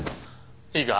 いいか？